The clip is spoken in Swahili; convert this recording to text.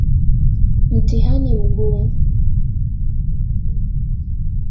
Mtihani mgumu.